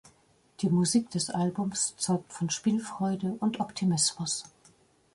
Die Musik des Albums zeugt von Spielfreude und Optimismus.